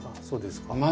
そうですか。